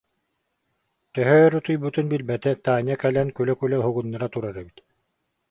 Төһө өр утуйбутун билбэтэ, Таня кэлэн күлэ-күлэ уһугуннара турар эбит